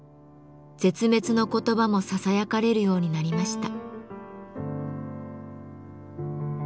絶滅の言葉もささやかれるようになりました。